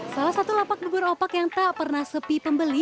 salah satu lapak bubur opak yang tak pernah sepi pembeli